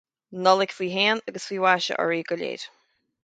Nollaig faoi shéan agus faoi mhaise oraibh go léir